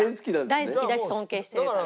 大好きだし尊敬してるから。